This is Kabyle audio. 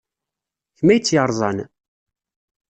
D kemm ay tt-yerẓan?